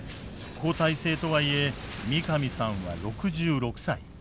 交代制とはいえ三上さんは６６歳。